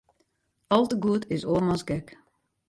Al te goed is oarmans gek.